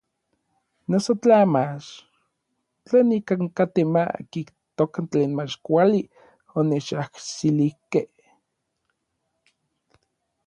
Noso tla mach, tlen nikan katej ma kijtokan tlen mach kuali onechajxilijkej.